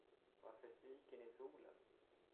Varför sviker ni solen?